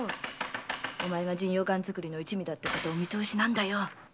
お前が神陽丸作りの一味だってことはお見通しなんだよ。